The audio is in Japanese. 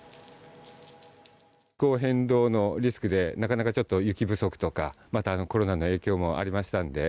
気候変動のリスクでなかなか雪不足とかまた、コロナの影響もありましたんでね